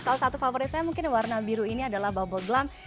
salah satu favorit saya mungkin warna biru ini adalah bubble glom